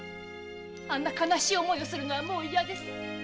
あんな悲しい思いをするのはもう嫌です。